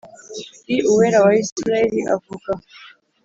l Uwera wa Isirayeli avuga